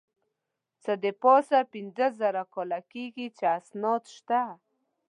څه د پاسه پینځه زره کاله کېږي چې اسناد شته.